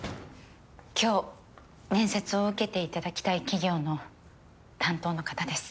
今日面接を受けていただきたい企業の担当の方です。